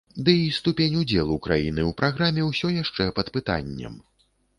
Ды і ступень удзелу краіны ў праграме ўсё яшчэ пад пытаннем.